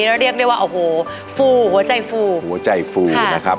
แล้วเรียกได้ว่าโอ้โหฟูหัวใจฟูหัวใจฟูนะครับ